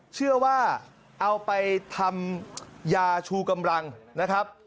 เชื่อว่าเอาไปทำยาชูกำลังนะครับ